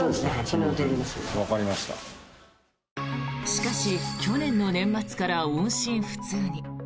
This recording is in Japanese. しかし、去年の年末から音信不通に。